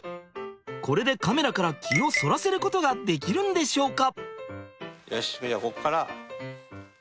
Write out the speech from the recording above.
これでカメラから気をそらせることができるんでしょうか？